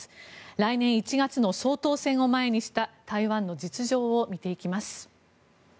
来年１月の総統選を前にした台湾の実情を見ていきます。